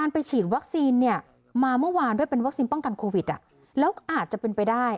อาจจะเป็นไปได้